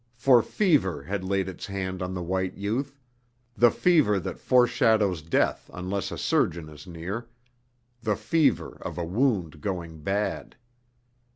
For fever had laid its hand on the white youth, the fever that foreshadows death unless a surgeon is near, the fever of a wound going bad.